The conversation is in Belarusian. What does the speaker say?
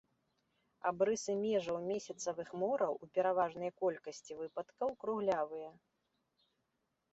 Абрысы межаў месяцавых мораў ў пераважнай колькасці выпадкаў круглявыя.